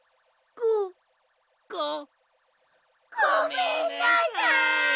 ごめんなさい！